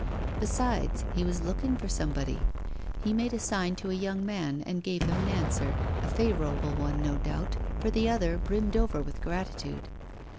Besides, he was looking for somebody; he made a sign to a young man, and gave him an answer, a favourable one, no doubt, for the other brimmed over with gratitude.